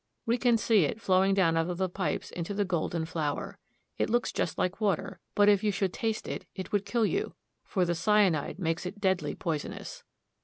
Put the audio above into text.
We can see it flowing down out of the pipes into the golden flour. It looks just like water; but if you should taste it, it would kill you, for the cyanide makes it deadly poisonous.